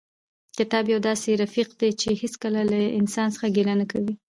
کتاب یو داسې رفیق دی چې هېڅکله له انسان څخه ګیله نه کوي.